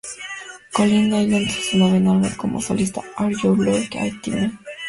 Colin Hay lanzó su noveno álbum como solista, "Are You Lookin' At Me?